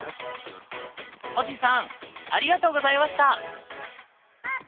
星さんありがとうございました！